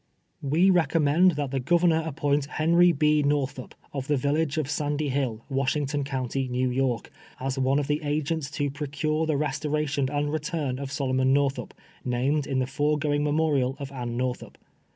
We recommend that the Governor appoint Henry B. Northup, of the village of Sandy Hill, Washington county, New York, as one of the agents to procure the restoration and retiuri of Solomon Northup, named in the foi*egoing memorial of Anne Northup.